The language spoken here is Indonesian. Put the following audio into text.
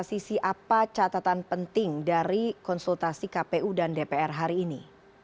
sisi apa catatan penting dari konsultasi kpu dan dpr hari ini